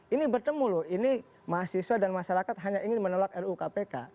ini bertemu loh ini mahasiswa dan masyarakat hanya ingin menolak ru kpk